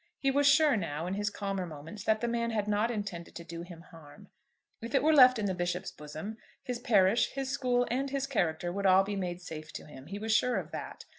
He was sure now, in his calmer moments, that the man had not intended to do him harm. If it were left in the Bishop's bosom, his parish, his school, and his character would all be made safe to him. He was sure of that.